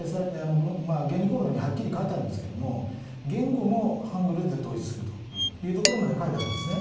原理綱領にはっきり書いてあるんですが言語もハングルで統一するというところまで書いてあるんですね。